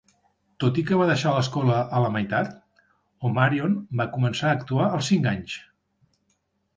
Tot i que va deixar l'escola a la meitat, Omarion va començar a actuar als cinc anys.